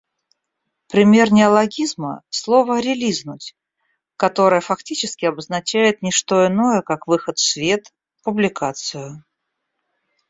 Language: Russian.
Пример неологизма — слово релизнуть, которое фактически обозначает ничто иное как выход в свет, публикацию.